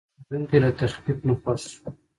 پیرودونکی له تخفیف نه خوښ شو.